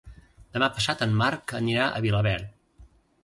Demà passat en Marc anirà a Vilaverd.